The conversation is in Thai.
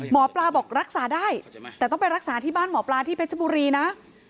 หมอปลาบอกรักษาได้แต่ต้องไปรักษาที่บ้านหมอปลาที่เพชรบุรีนะ